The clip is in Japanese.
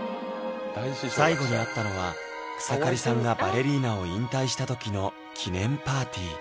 最後に会ったのは草刈さんがバレリーナを引退した時の記念パーティー